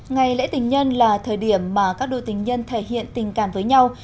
ngày lễ tình nhân là thời điểm mà các đội tình nhân thể hiện tình cảm với nhau